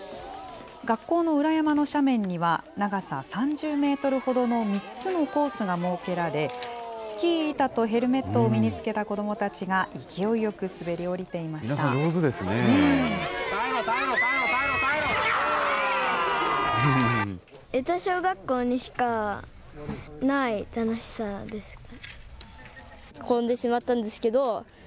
学校の裏山の斜面には、長さ３０メートルほどの３つのコースが設けられ、スキー板とヘルメットを身につけた子どもたちが、皆さん、上手ですね。